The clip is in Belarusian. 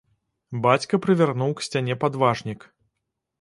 Бацька прывярнуў к сцяне падважнік.